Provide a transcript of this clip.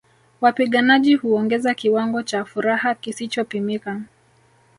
Wapiganaji huongeza kiwango cha furaha kisichopimika